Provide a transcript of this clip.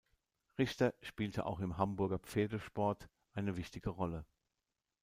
Richter spielte auch im Hamburger Pferdesport eine wichtige Rolle.